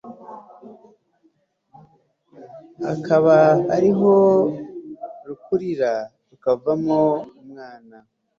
akaba ariho rukurira rukavamo umwana